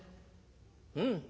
「うん。